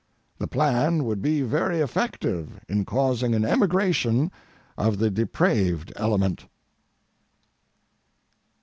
The plan would be very effective in causing an emigration of the depraved element.